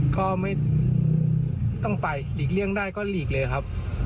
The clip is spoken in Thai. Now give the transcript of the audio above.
ก็ไม่ต้องไปหลีกเลี่ยงได้ก็หลีกเลยครับ